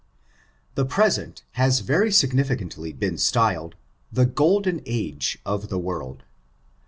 The present has very significantly been sfyled, '^The Golden Age" of the world.